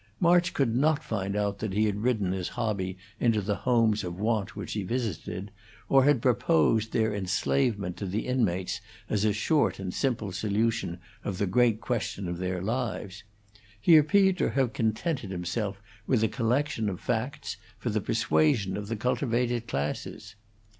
March could not find out that he had ridden his hobby into the homes of want which he visited, or had proposed their enslavement to the inmates as a short and simple solution of the great question of their lives; he appeared to have contented himself with the collection of facts for the persuasion of the cultivated classes.